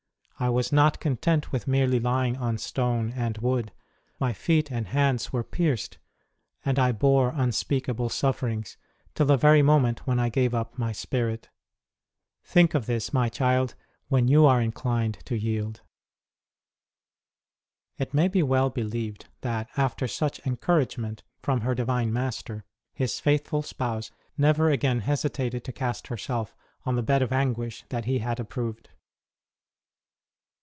I was not content with merely lying on stone and wood : My feet and hands were pierced, and I bore unspeakable suffer ings till the very moment when I gave up My OF THE SAINT S INCREASED PENANCES 141 spirit. Think of this, My child, when you are inclined to yield. It may well be believed that, after such en couragement from her Divine Master, His faithful spouse never again hesitated to cast herself on the bed of anguish that he had approved.